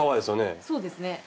そうですね。